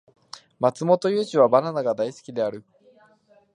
マツモトユウジはバナナが大好きである